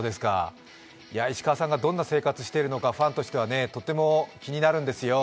石川さんがどんな生活しているのか、ファンとしてはとっても気になるんですよ。